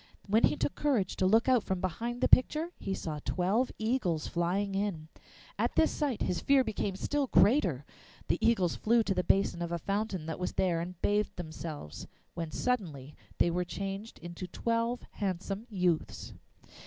When he took courage to look out from behind the picture, he saw twelve eagles flying in. At this sight his fear became still greater. The eagles flew to the basin of a fountain that was there and bathed themselves, when suddenly they were changed into twelve handsome youths.